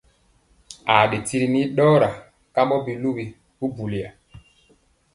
Aa ɗe tiri nii ɗɔɔra kambɔ bisuli bubulɔ.